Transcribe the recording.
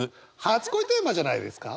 「初恋」テーマじゃないですか？